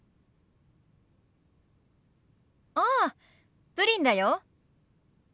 ああプリンだよ。